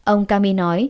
ông kami nói